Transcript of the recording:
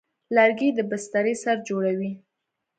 لرګی د بسترې سر جوړوي.